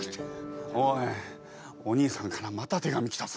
「おいおにいさんからまた手紙来たぞ」。